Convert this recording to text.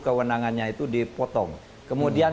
kewenangannya itu dipotong kemudian